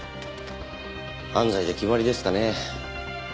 安西で決まりですかね。